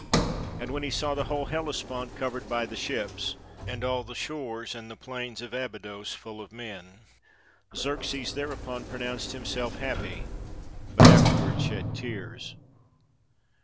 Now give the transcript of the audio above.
And when he saw the whole Hellespont covered by the ships, and all the shores and the plains of Abydos full of men, Xerxes thereupon pronounced himself happy, but afterward shed tears.